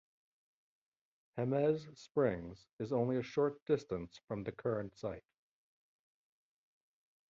Jemez Springs was only a short distance from the current site.